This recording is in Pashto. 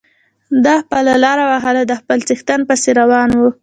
ده خپله لاره وهله د خپل څښتن پسې روان و.